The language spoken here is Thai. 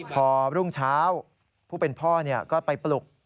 พอรุ่งเช้าผู้เป็นพ่อก็ไปปลุก